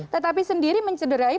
tetapi sendiri mencederai